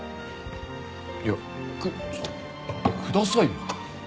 いやくださいよ。